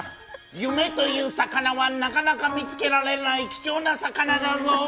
夢という魚はなかなか見つけられない貴重な魚だぞ。